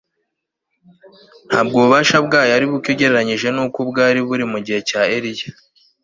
Ntabwo ububasha bwayo ari buke ugereranyije nuko bwari buri mu gihe cya Eliya